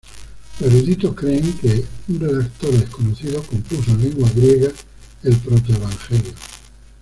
Los eruditos creen que un redactor desconocido compuso en lengua griega el proto-evangelio.